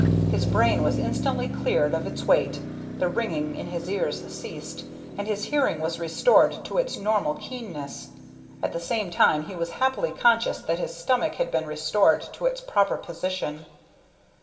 His brain was instantly cleared of its weight, the ringing in his ears ceased, and his hearing was restored to its normal keenness. At the same time he was happily conscious that his stomach had been restored to its proper position.